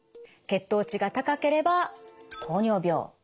血糖値が高ければ糖尿病。